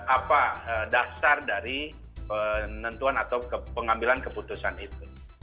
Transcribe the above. apa dasar dari penentuan atau pengambilan keputusan itu